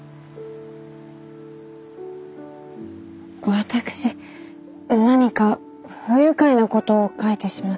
私何か不愉快なことを描いてしまったのかと。